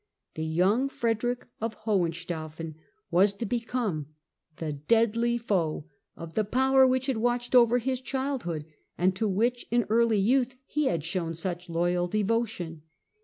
The young Frederick of Hohen staufen was to become the deadly foe of the power which had watched over his childhood and to which in early youth he had shown such loyal devotion.